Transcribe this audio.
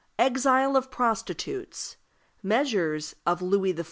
Exile of Prostitutes. Measures of Louis XIV.